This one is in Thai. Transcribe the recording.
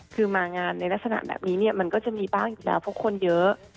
คือมางานในลักษณะแบบนี้เนี่ยมันก็จะมีบ้างอยู่แล้วเพราะคนเยอะ